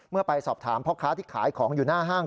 ไปสอบถามพ่อค้าที่ขายของอยู่หน้าห้าง